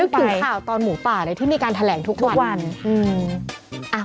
ถึงข่าวตอนหมูป่าเลยที่มีการแถลงทุกวันอืม